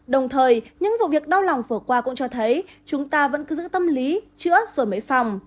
đồng thời những vụ việc đau lòng vừa qua cũng cho thấy chúng ta vẫn cứ giữ tâm lý chữa rồi mới phòng